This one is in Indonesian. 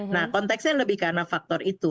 nah konteksnya lebih karena faktor itu